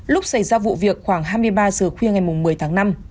lúc xảy ra vụ việc khoảng hai mươi ba giờ khuya ngày một mươi tháng năm